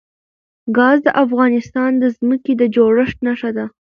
ګاز د افغانستان د ځمکې د جوړښت نښه ده.